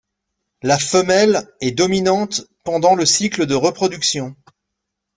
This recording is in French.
La femelle est dominante pendant le cycle de reproduction.